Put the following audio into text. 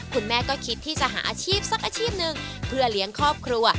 คุณแม่ก็คิดที่จะหาอาชีพสักอาชีพหนึ่งเพื่อเลี้ยงครอบครัว